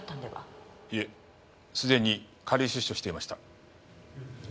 いえすでに仮出所していました。